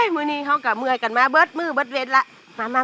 เฮ้อมือนี่เขากับมือยกันมาเบาะมือเบาะเย็นละมามา